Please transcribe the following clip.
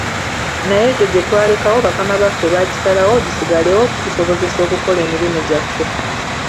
Naye egyo gye twalekawo bakama baffe baakisalawo gisigalewo okutusobozesa okukola emirimu gyaffe.